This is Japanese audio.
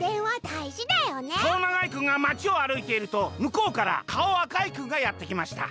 「かおながいくんがまちをあるいているとむこうからかおあかいくんがやってきました。